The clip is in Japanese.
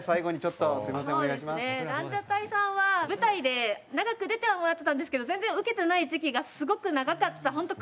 ランジャタイさんは舞台で長く出てはもらってたんですけど全然ウケてない時期がすごく長かった本当